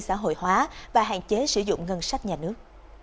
xã hội hóa và hạn chế sử dụng ngân sách nhà nước